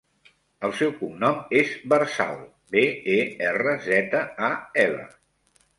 El seu cognom és Berzal: be, e, erra, zeta, a, ela.